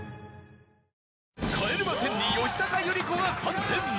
「帰れま１０」に吉高由里子が参戦！